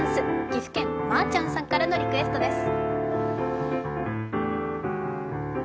岐阜県、まーちゃんさんからのリクエストです。